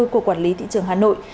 của quản lý thị trường hà nội